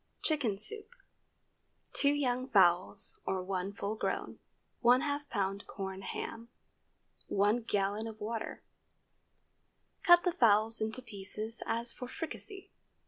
CHICKEN SOUP. ✠ 2 young fowls, or one full grown. ½ lb. corned ham. 1 gallon of water. Cut the fowls into pieces as for fricassee.